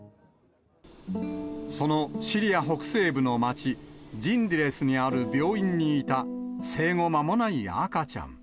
そのシリア北西部の街、ジンディレスにある病院にいた、生後間もない赤ちゃん。